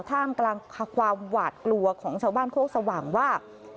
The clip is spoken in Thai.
ท่ามกลางความหวาดกลัวของชาวบ้านโคกสว่างว่า